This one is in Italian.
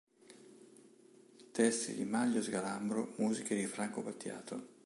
Testi di Manlio Sgalambro, musiche di Franco Battiato.